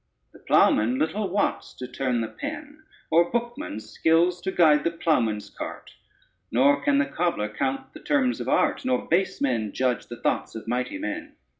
The ploughman little wots to turn the pen, Or bookman skills to guide the ploughman's cart; Nor can the cobbler count the terms of art, Nor base men judge the thoughts of mighty men.